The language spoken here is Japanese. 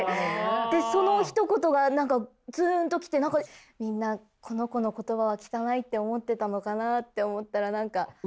でそのひと言が何かズーンと来てみんなこの子の言葉は汚いって思ってたのかなって思ったら何か。